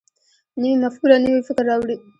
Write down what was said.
نوې مفکوره نوی فکر راوړي